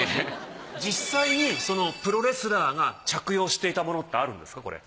実際にプロレスラーが着用していたものってあるんですか？